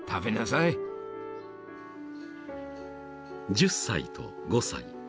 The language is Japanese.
［１０歳と５歳］